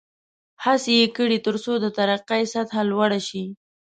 هڅې یې کړې ترڅو د ترقۍ سطحه لوړه شي.